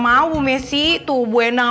aduh bu messi gimana